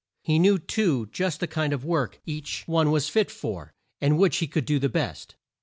He knew, too, just the kind of work each one was fit for, and which he could do the best.